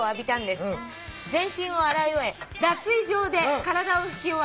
「全身を洗い終え脱衣所を出体を拭き終わり